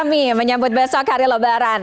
selamat selaturami menyambut besok hari lebaran